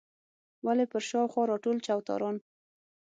ولې پر شا او خوا راټول چوتاران.